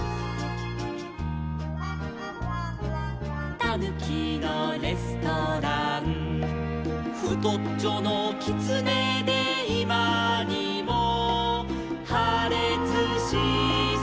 「たぬきのレストラン」「ふとっちょのきつねでいまにもはれつしそう」